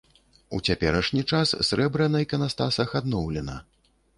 У цяперашні час срэбра на іканастасах адноўлена.